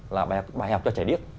là bài học cho trẻ điếc